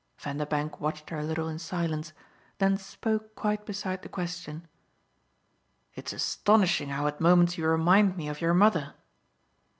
Vanderbank watched her a little in silence, then spoke quite beside the question. "It's astonishing how at moments you remind me of your mother!"